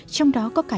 trong đó có cả